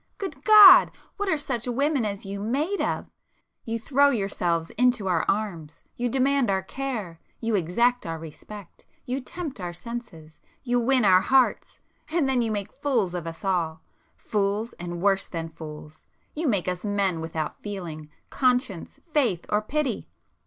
Good God!—what are such women as you made of? You throw yourselves into our arms,—you demand our care—you exact our respect—you tempt our senses—you win our hearts,—and then you make fools of us all! Fools, and worse than fools,—you make us men without feeling, conscience, faith, or pity!